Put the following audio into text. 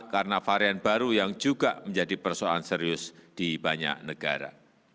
karena varian baru yang juga menjadi persoalan serius di banyak negara